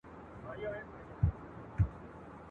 کال په کال مو پسرلی بیرته راتللای !.